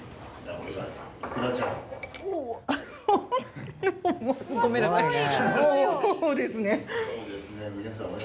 フフごめんなさい。